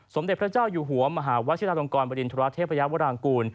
สมเด็จพระเจ้าอยู่หัวมหาวชิลาลงกรบริณฑราเทพยาวรางกูล